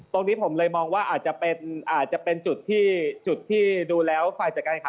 ตรงนี้ผมเลยมองว่าอาจจะเป็นจุดที่จุดที่ดูแล้วฝ่ายจัดการขัน